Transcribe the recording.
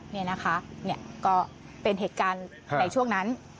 นี่นะคะก็เป็นเหตุการณ์ในช่วงนั้น